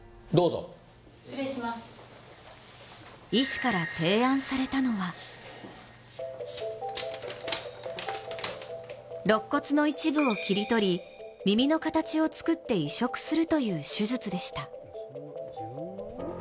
医師から提案されたのはろっ骨の一部を切り取り、耳の形を作って移植するという手術でした。